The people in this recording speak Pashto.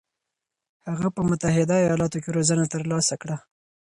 هغه په متحده ایالاتو کې روزنه ترلاسه کړه.